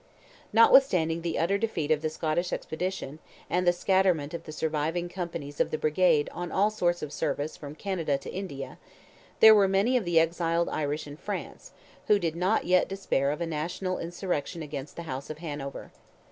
Notwithstanding the utter defeat of the Scottish expedition, and the scatterment of the surviving companies of the brigade on all sorts of service from Canada to India, there were many of the exiled Irish in France, who did not yet despair of a national insurrection against the house of Hanover.